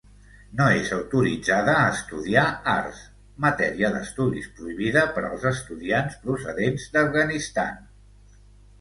No és autoritzada a estudiar arts, matèria d'estudis prohibida per als estudiants procedents d'Afganistan.